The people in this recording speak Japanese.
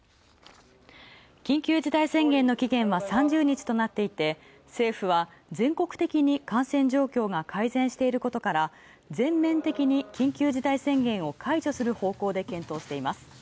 緊急事態宣言の期限は３０日となっていて政府は全国的に感染状況が改善していることから全面的に緊急事態宣言を解除する方向で検討しています。